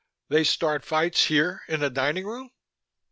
"They start fights here in the dining room?"